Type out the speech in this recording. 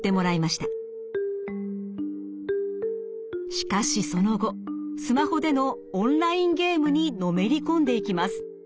しかしその後スマホでのオンラインゲームにのめり込んでいきます。